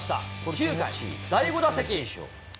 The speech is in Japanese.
９回、第５打席。